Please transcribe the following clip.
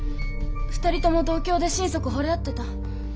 ２人とも同郷で心底ほれ合ってた。